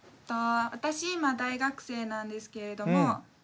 私今大学生なんですけれども。